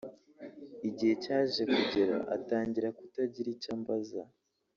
Igihe cyaje kugera atangira kutagira icyo ambaza